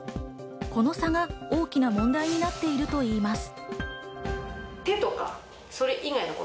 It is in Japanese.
この差が大きな問題になっているといいます。